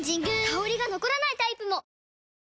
香りが残らないタイプも！